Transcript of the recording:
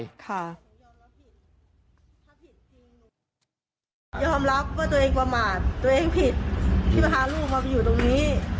ยอมรับว่าตัวเองประมาทตัวเองผิดที่พาลูกมาอยู่ตรงนี้